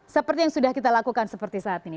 seperti yang sudah kita lakukan seperti saat ini